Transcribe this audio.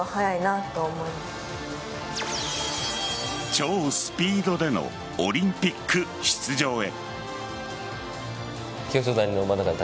超スピードでのオリンピック出場へ。